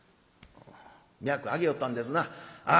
脈あげよったんですなあ